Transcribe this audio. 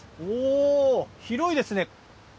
広いですね！